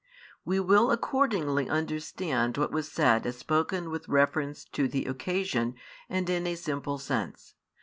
We will accordingly understand what was said as spoken with reference to the occasion, and in a simple sense.